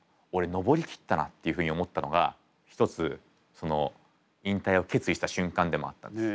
登り切ったなっていうふうに思ったのが一つその引退を決意した瞬間でもあったんです。